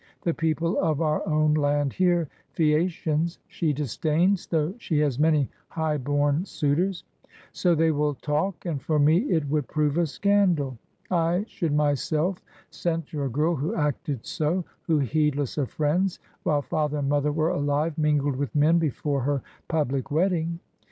The people of our own land here, Phasacians, she disdains, though she has many high born suitors.' So they will talk, and for me it would prove a scandal. I should myself censure a girl who acted so, who, heedless of friends, while father and mother were aUve, mingled with men before her public wedding.